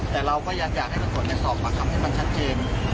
แต่เราก็ยังอยากให้ตำรวจสอบประคำให้มันชัดเจน